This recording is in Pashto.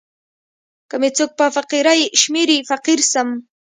که می څوک په فقیری شمېري فقیر سم.